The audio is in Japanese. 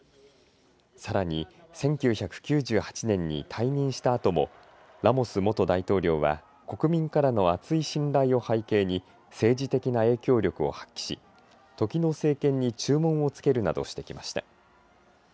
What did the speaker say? さらに１９９８年に退任したあともラモス元大統領は国民からの厚い信頼を背景に政治的な影響力を発揮し時の政権に注文をつけるなどしてきました。